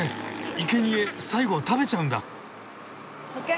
いけにえ最後は食べちゃうんだ。